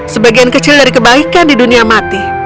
sebagian kecil dari kebaikan di dunia mati